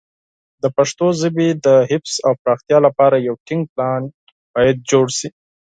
د پښتو ژبې د حفظ او پراختیا لپاره یو ټینګ پلان باید جوړ شي.